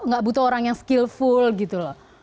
nggak butuh orang yang skillful gitu loh